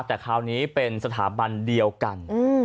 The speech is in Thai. แต่คราวนี้เป็นสถาบันเดียวกัน